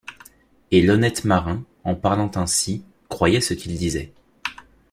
Et l’honnête marin, en parlant ainsi, croyait ce qu’il disait